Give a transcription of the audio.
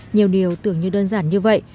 nhiều điều tưởng như đơn giản như vậy